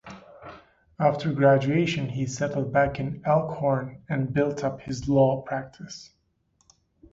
After graduation, he settled back in Elkhorn and built up his law practice.